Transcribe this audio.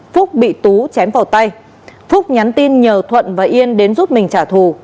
phúc bị tú chém vào tay phúc nhắn tin nhờ thuận và yên đến giúp mình trả thù